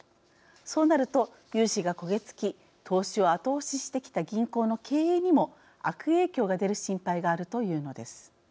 そうなると、融資が焦げ付き投資を後押ししてきた銀行の経営にも悪影響が出る心配があるというのです。